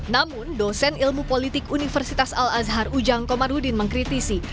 namun dosen ilmu politik universitas al azhar ujang komarudin mengkritisi